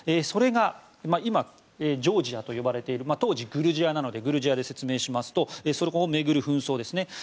それが今、ジョージアと呼ばれている当時、グルジアなのでグルジアで説明しますとそこを巡る紛争ですね。